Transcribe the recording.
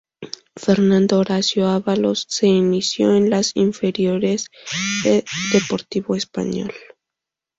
Fernando Horacio Ávalos se inició en las inferiores de Deportivo Español.